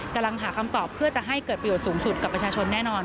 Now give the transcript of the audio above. กำลังหาคำตอบเพื่อจะให้เกิดประโยชน์สูงสุดกับประชาชนแน่นอน